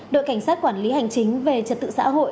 đội cảnh sát quản lý hành chính về trật tự xã hội